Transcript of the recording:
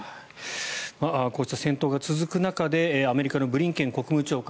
こうした戦闘が続く中でアメリカのブリンケン国務長官